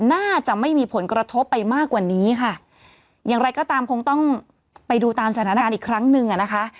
น่าจะไม่มีผลกระทบไปมากกว่านี้ค่ะอย่างไรก็ตามคงต้องไปดูตามสถานการณ์อีกครั้งหนึ่งอ่ะนะคะ